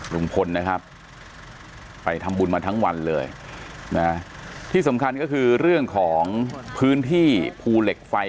ลุงพลนะครับไปทำบุญมาทั้งวันเลยนะที่สำคัญก็คือเรื่องของพื้นที่ภูเหล็กไฟ